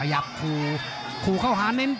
ขยับคู่เข้าหาเน้น